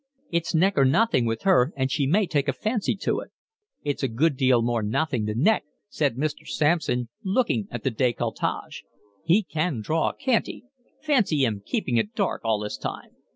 "It's neck or nothing with her, and she may take a fancy to it." "It's a good deal more nothing than neck," said Mr. Sampson, looking at the decolletage. "He can draw, can't he? Fancy 'im keeping it dark all this time."